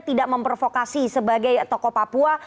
tidak memprovokasi sebagai tokoh papua